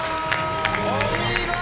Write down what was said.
お見事！